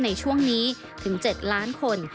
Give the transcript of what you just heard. ในช่วงนี้ถึง๗ล้านคน